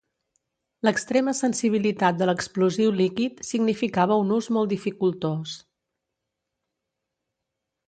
L'extrema sensibilitat de l'explosiu líquid significava un ús molt dificultós.